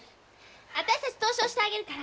私たち投書してあげるから。